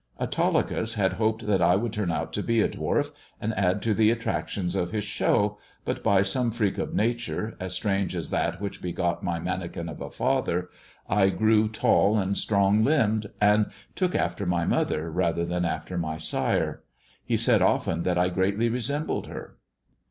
" "Autolycus had hoped that I would turn out to be a dwarf, and add to the attractions of his show ; but by some freak of Nature, as strange as that which begot my manikin of a father, I grew tall and strong limbed, and took after my mother rather than after my sire. He said often that I greatly resembled her."